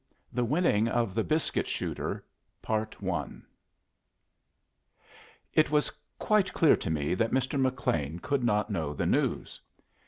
THE WINNING OF THE BISCUIT SHOOTER It was quite clear to me that Mr. McLean could not know the news.